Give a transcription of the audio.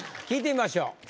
聞いてみましょう。